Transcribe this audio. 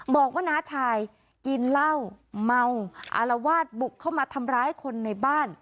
บอกว่าน้าชายกินเหล้าเมาอารวาสบุกเข้ามาทำร้ายคนในบ้าน